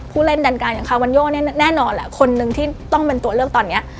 ผู้เล่นดันกลางอย่างคาวันโยเนี่ยแน่นอนแหละคนนึงที่ต้องเป็นตัวเลือกตอนนี้